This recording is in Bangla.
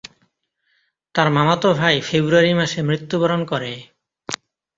তার মামাতো ভাই ফেব্রুয়ারি মাসে মৃত্যুবরণ করে।